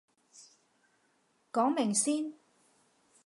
講明先